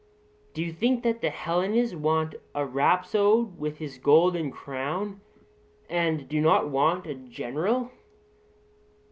Do you think that the Hellenes want a rhapsode with his golden crown, and do not want a general?